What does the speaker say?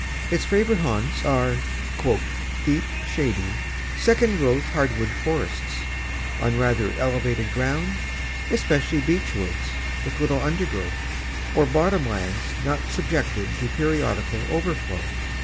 Its favorite haunts are "deep, shady, second growth hardwood forests, on rather elevated ground, especially beech woods with little undergrowth, or bottom lands not subject to periodical overflow."